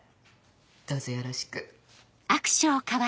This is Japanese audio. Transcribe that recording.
どうぞよろしく。